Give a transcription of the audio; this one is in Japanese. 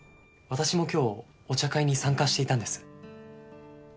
私も今日お茶会に参加していたんです。